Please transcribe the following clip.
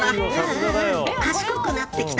賢くなってきた。